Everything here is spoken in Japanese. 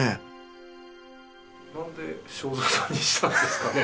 なんで正蔵さんにしたんですかね？